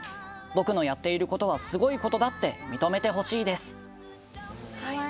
僕のやっていることはすごいことだって認めてほしいです」。